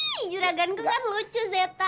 hii juragan kan lucu zeta